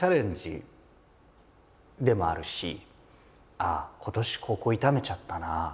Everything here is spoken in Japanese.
ああ今年ここ痛めちゃったな。